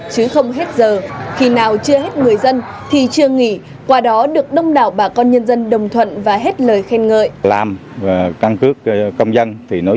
chứ không hết giờ khi nào chưa hết người dân thì chưa nghỉ qua đó được đông đảo bà con nhân dân đồng thuận và hết lời khen ngợi